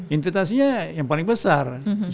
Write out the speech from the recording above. investasinya yang paling besar